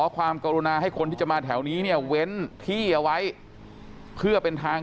ความกรุณาให้คนที่จะมาแถวนี้เนี่ยเว้นที่เอาไว้เพื่อเป็นทาง